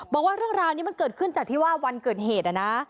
บอกว่าเรื่องราวนี้มันเกิดขึ้นจากที่ว่าวันเกิดเหตุนะ